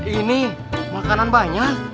ini makanan banyak